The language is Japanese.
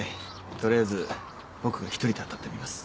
取りあえず僕が１人で当たってみます。